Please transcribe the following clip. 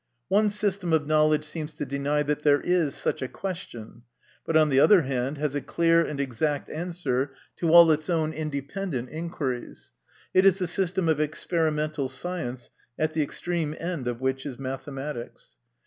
One system of knowledge seems to deny that there is such a question, but, on the other hand, has a clear and exact answer to all its own independent inquiries it is the system of experimental science, at the extreme end of which is mathematics.